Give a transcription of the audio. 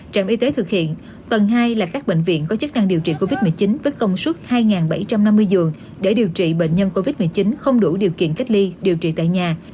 trạm y tế thực hiện tầng hai là các bệnh viện có chức năng điều trị covid một mươi chín với công suất hai bảy trăm năm mươi giường để điều trị bệnh nhân covid một mươi chín không đủ điều kiện cách ly điều trị tại nhà